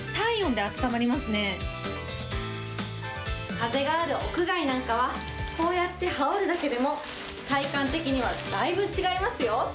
風がある屋外なんかは、こうやって羽織るだけでも、体感的にはだいぶ違いますよ。